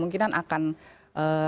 mungkin akan ada peningkatan di sektor semen